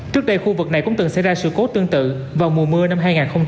trước đây khu vực này cũng từng xảy ra sự cố tương tự vào mùa mưa năm hai nghìn hai mươi